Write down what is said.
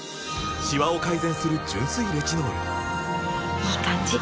いい感じ！